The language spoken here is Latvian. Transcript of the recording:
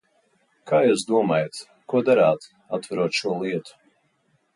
Kā jūs domājat, ko darāt, atverot šo lietu?